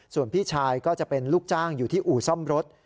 ส่วนพี่ชายก็จะเป็นลูกจ้างอยู่ที่อู่ซ่อมรถ